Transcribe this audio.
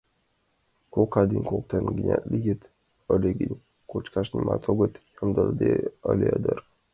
Кока ден коктын гына лийыт ыле гын, кочкаш нимат огыт ямдыле ыле дыр.